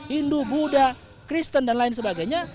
hindu buddha kristen dan lain sebagainya